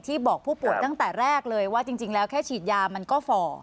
บอกผู้ป่วยตั้งแต่แรกเลยว่าจริงแล้วแค่ฉีดยามันก็ฝ่อ